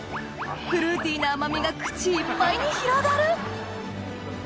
フルーティーな甘みが口いっぱいに広がる！